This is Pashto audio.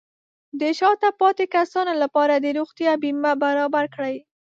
د شاته پاتې کسانو لپاره د روغتیا بیمه برابر کړئ.